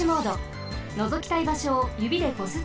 のぞきたいばしょをゆびでこすってください。